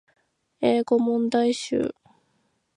英語問題集